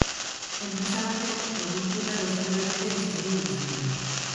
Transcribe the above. Enpresa batek produktu-lerro zenbait ere eskaini ditzake.